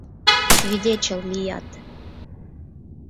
Свидечыл лият.